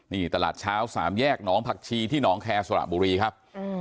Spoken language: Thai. นี่ตลาดเช้าสามแยกหนองผักชีที่หนองแคร์สระบุรีครับ